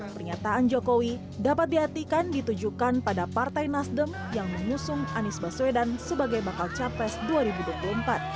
pernyataan jokowi dapat diartikan ditujukan pada partai nasdem yang mengusung anies baswedan sebagai bakal capres dua ribu dua puluh empat